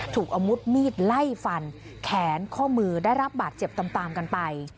ถูกอาวุธมีดไล่ฟันแขนข้อมือได้รับบาดเจ็บตามกันไป